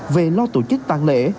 về lo tổ chức tăng lệ